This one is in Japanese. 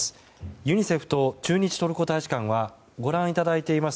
ユニセフと駐日トルコ大使館はご覧いただいています